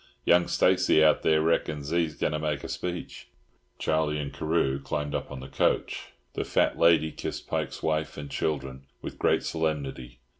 Young Stacy out there reckons 'e's going to make a speech." Charlie and Carew climbed upon the coach. The fat lady kissed Pike's wife and children with great solemnity.